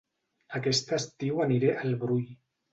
Aquest estiu aniré a El Brull